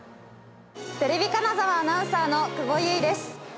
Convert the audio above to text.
テレビ金沢アナウンサーの久保結です。